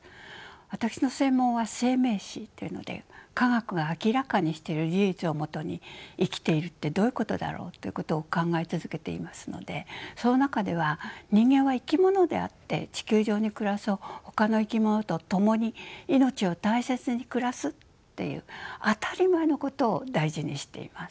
私の専門は「生命誌」というので科学が明らかにしてる事実をもとに「生きているってどういうことだろう」ということを考え続けていますのでその中では「人間は生き物であって地球上に暮らすほかの生き物と共に命を大切に暮らす」っていう当たり前のことを大事にしています。